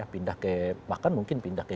pindah ke bahkan mungkin pindah ke